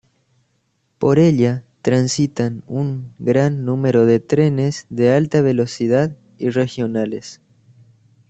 Por ella transitan un gran número de trenes de alta velocidad y regionales.